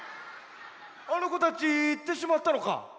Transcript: あのこたちいってしまったのか？